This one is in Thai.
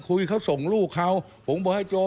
ที่มันก็มีเรื่องที่ดิน